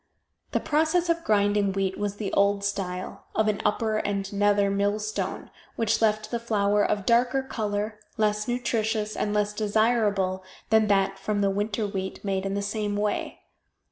The process of grinding wheat was the old style, of an upper and nether millstone, which left the flour of darker color, less nutritious, and less desirable than that from the winter wheat made in the same way.